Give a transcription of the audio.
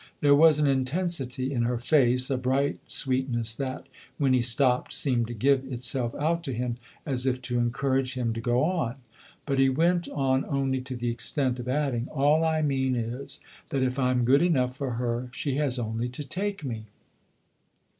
There was an intensity in her face, a bright sweetness that, when he stopped, seemed to give itself out to him as if to encourage him to go on. But he went on only to the extent of adding ;" All I mean is that if I'm good enough for her she has only to take me."